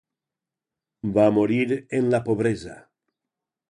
Va morir en la pobresa.